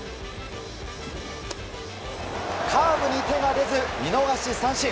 カーブに手が出ず見逃し三振。